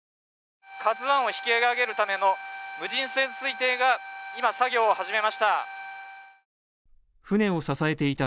「ＫＡＺＵ１」を引き揚げるための無人潜水艇が今作業を始めました。